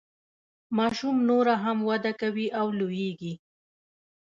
ماشوم نوره هم وده کوي او لوییږي.